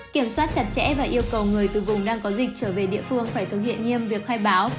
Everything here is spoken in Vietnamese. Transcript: kiểm soát chặt chẽ và yêu cầu người từ vùng đang có dịch trở về địa phương phải thực hiện nghiêm việc khai báo